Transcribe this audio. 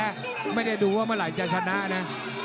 ไม่ได้ดูว่าเมื่อไหร่จะชนะนะ